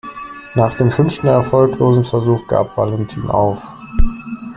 Nach dem fünften erfolglosen Versuch gab Valentin auf.